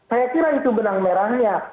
saya kira itu benang merahnya